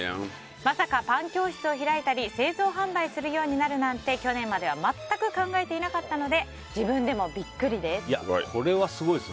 まさかパン教室を開いたり製造・販売したりするようになるなんて去年までは全く考えていなかったので自分でもビックリです。